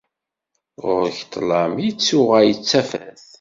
Ɣur-k ṭṭlam ittuɣal d tafat.